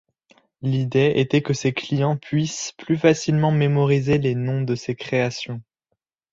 L'idée était que ses clients puissent plus facilement mémoriser les noms de ses créations.